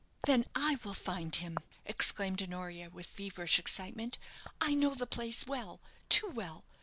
"Then I will find him," exclaimed Honoria, with feverish excitement. "I know the place well too well!